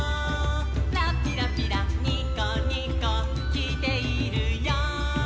「ラッピラピラニコニコきいているよ」